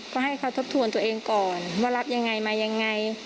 ก็ให้เขาทบทวนตัวเองก่อนว่ารับยังไงมายังไง